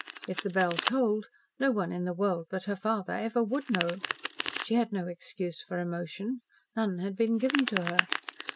If the bell tolled, no one in the world but her father ever would know. She had no excuse for emotion. None had been given to her.